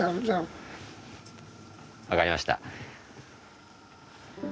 分かりました。